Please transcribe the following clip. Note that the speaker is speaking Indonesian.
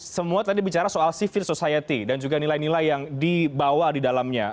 semua tadi bicara soal civil society dan juga nilai nilai yang dibawa di dalamnya